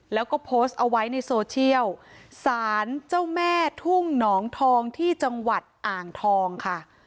แล้วก็โพสต์เอาไว้ในโซเชียลสารเจ้าแม่ทุ่งหนองทองที่จังหวัดอ่างทองค่ะ